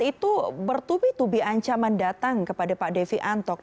itu bertubi tubi ancaman datang kepada pak devi antok